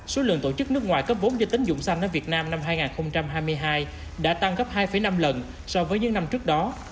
số lượng tổ chức nước ngoài cấp vốn do tính dụng xanh ở việt nam năm hai nghìn hai mươi hai đã tăng gấp hai năm lần so với những năm trước đó